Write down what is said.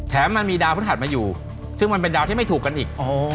มันมีดาวพฤหัสมาอยู่ซึ่งมันเป็นดาวที่ไม่ถูกกันอีก